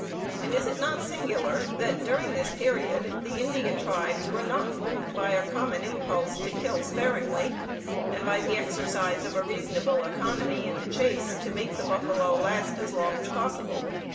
And is it not singular that during this period the Indian tribes were not moved by a common impulse to kill sparingly, and by the exercise of a reasonable economy in the chase to make the buffalo last as long as possible.